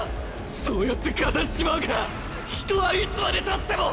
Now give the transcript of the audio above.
そうやって片しちまうから人はいつまでたっても。